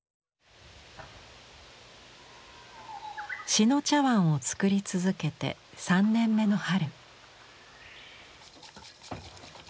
志野茶碗を作り続けて３年目の春。